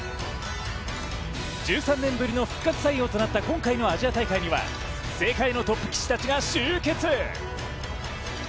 １３年ぶりの復活採用となった今回のアジア大会には世界のトップ棋士たちが集結。